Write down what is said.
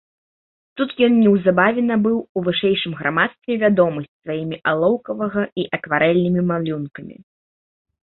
Тут ён неўзабаве набыў у вышэйшым грамадстве вядомасць сваімі алоўкавага і акварэльнымі малюнкамі.